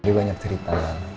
jadi banyak cerita